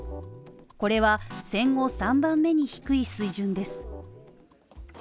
これは戦後３番目に低い水準です。